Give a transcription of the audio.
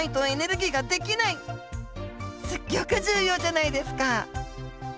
すギョく重要じゃないですか！